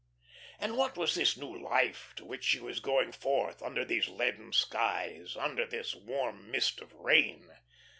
And what was this new life to which she was going forth, under these leaden skies, under this warm mist of rain?